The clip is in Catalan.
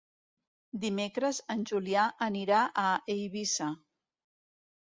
Dimecres en Julià anirà a Eivissa.